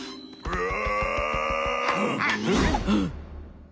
うわ！